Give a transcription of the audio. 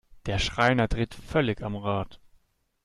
Der Schreiner dreht völlig am Rad.